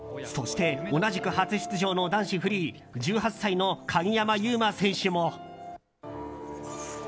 そして、同じく初出場の男子フリー１８歳の鍵山優真選手も。